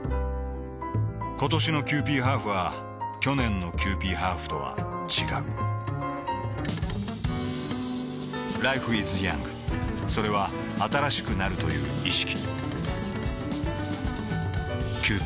ことしのキユーピーハーフは去年のキユーピーハーフとは違うＬｉｆｅｉｓｙｏｕｎｇ．それは新しくなるという意識